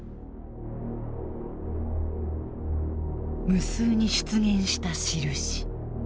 無数に出現した印。